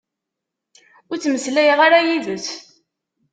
Ur ttmeslayeɣ ara yid-s.